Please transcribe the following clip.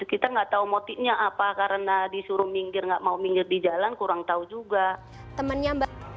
kita nggak tahu motifnya apa karena disuruh minggir nggak mau minggir di jalan kurang tahu juga temannya mbak